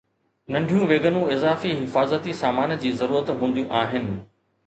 ننڍيون ويگنون اضافي حفاظتي سامان جي ضرورت هونديون آهن